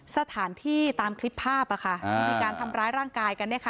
สถานที่ตามคลิปภาพที่มีการทำร้ายร่างกายกัน